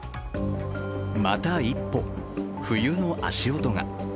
また一歩、冬の足音が。